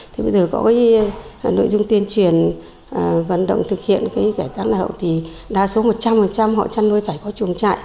thì bây giờ có cái nội dung tuyên truyền vận động thực hiện cái cải tạo là hậu thì đa số một trăm linh họ chăn nuôi phải có trùng chạy